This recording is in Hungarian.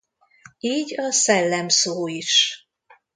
Így a szellem szó is.